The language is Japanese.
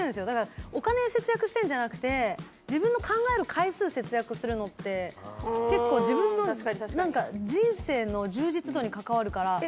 だからお金を節約してるんじゃなくて自分の考える回数を節約するのって結構自分の人生の充実度に関わるから。